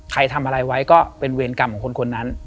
ทำอะไรไว้ก็เป็นเวรกรรมของคนนั้น